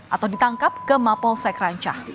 atau ditangkap ke mapolsek rancah